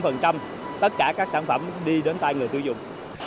những sản phẩm đi đến tay người tiêu dùng